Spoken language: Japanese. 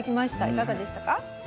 いかがでしたか？